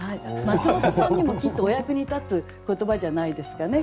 マツモトさんにもきっとお役に立つ言葉じゃないですかね。